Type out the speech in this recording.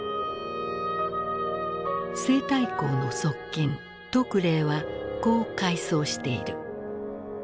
西太后の側近徳齢はこう回想している。